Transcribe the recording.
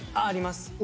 あります。